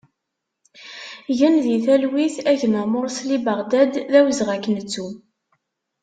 Gen di talwit a gma Morsli Baɣdad, d awezɣi ad k-nettu!